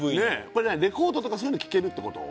これ何レコードとかそういうの聴けるってこと？